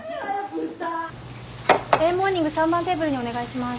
豚Ａモーニング３番テーブルにお願いします